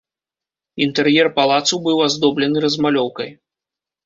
Інтэр'ер палацу быў аздоблены размалёўкай.